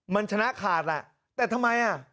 มันชนะขาดแหละแต่ทำไมอ่ะ